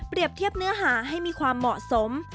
เทียบเนื้อหาให้มีความเหมาะสม